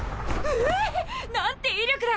ひぇなんて威力だ。